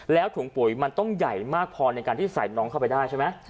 แล้วถุงปุ๋ยมันต้องใหญ่มากพอในการที่ใส่น้องเข้าไปได้ใช่ไหม